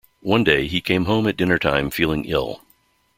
One day he came home at dinner-time feeling ill.